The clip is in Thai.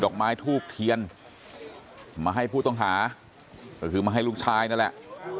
อกไม้ทูบเทียนมาให้ผู้ต้องหาก็คือมาให้ลูกชายนั่นแหละ